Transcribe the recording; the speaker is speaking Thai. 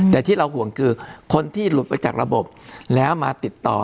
แต่ที่เราห่วงคือคนที่หลุดไปจากระบบแล้วมาติดต่อ